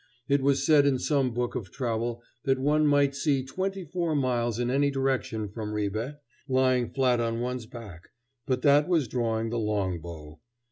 It was said in some book of travel that one might see twenty four miles in any direction from Ribe, lying flat on one's back; but that was drawing the long bow.